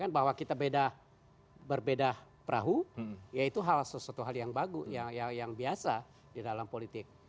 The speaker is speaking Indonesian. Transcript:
bahwa kita berbeda perahu yaitu sesuatu hal yang bagus yang biasa di dalam politik